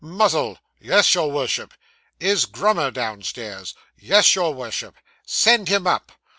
Muzzle!' 'Yes, your Worship.' 'Is Grummer downstairs?' 'Yes, your Worship.' 'Send him up.